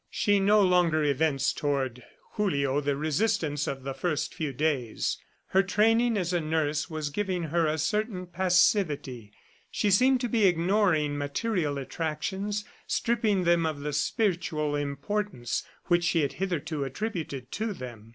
She no longer evinced toward Julio the resistance of the first few days. Her training as a nurse was giving her a certain passivity. She seemed to be ignoring material attractions, stripping them of the spiritual importance which she had hitherto attributed to them.